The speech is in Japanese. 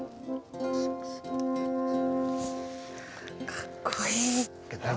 かっこいい。